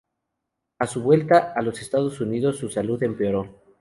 A su vuelta a los Estados Unidos, su salud empeoró.